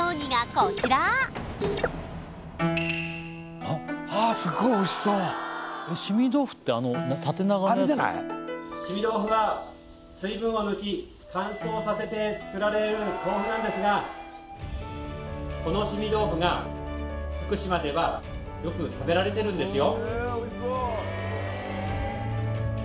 こちらしみ豆腐は水分を抜き乾燥させて作られる豆腐なんですがこのしみ豆腐が福島ではよく食べられているんですよ